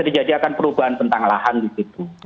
akan terjadi perubahan tentang lahan di situ